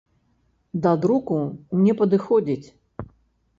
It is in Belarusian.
Да друку не падыходзіць.